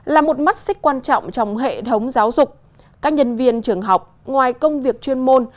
là một mắt xích quan trọng trong hệ thống giáo dục các nhân viên trường học ngoài công việc chuyên môn